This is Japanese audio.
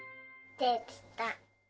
できた！